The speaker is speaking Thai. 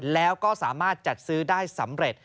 แล้วก็สามารถจัดซื้อได้สำเร็จ